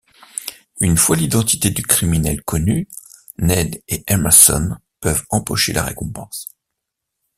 Une fois l'identité du criminel connue, Ned et Emerson peuvent empocher la récompense.